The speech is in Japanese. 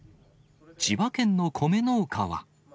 千葉県の米農家は。